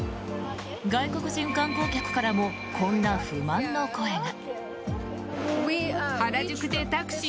外国人観光客からもこんな不満の声が。